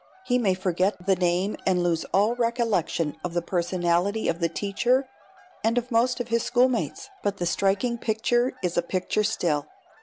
He may forget the name and lose all recollection of the personality of the teacher and of most of his schoolmates, but the striking picture is a picture still.